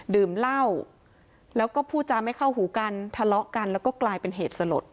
ดื่มเหล้าแล้วก็พูดจาไม่เข้าหูกันทะเลาะกันแล้วก็กลายเป็นเหตุสลด